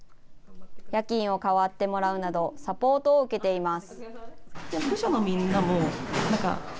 夜勤を代わってもらうなど、サポートを受けています。